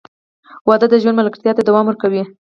• واده د ژوند ملګرتیا ته دوام ورکوي.